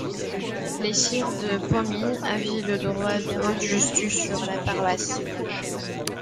Les sires de Pommiers avaient le droit de haute justice sur la paroisse.